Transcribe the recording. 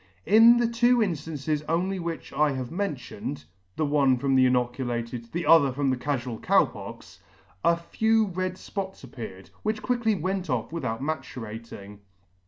In the two inftances only which I have mentioned, (the one from the inoculated, the other from the cafual Cow Pox,) a few red fpots appeared, which quickly went off without maturating.